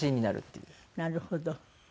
なるほど。